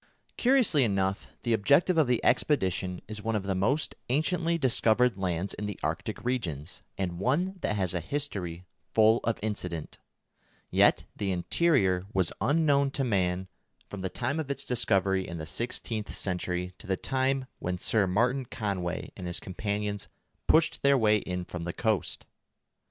Curiously enough the objective of the expedition is one of the most anciently discovered lands in the Arctic regions, and one that has a history full of incident; yet the interior was unknown to man from the time of its discovery in the sixteenth century to the time when Sir Martin Conway and his companions pushed their way in from the coast.